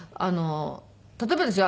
例えばですよ